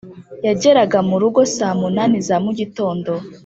yageraga mu rugo saa munani za mu gitondo